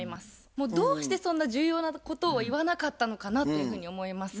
もうどうしてそんな重要なことを言わなかったのかなっていうふうに思いますね。